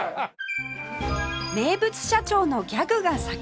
名物社長のギャグがさく裂！